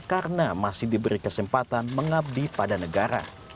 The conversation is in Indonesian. karena masih diberi kesempatan mengabdi pada negara